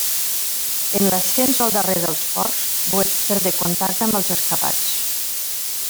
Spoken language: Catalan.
En l'ascens al darrer dels ports Bouet perdé contacte amb els escapats.